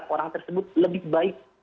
orang tersebut lebih baik